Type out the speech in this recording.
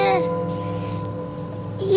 iya enggak masanya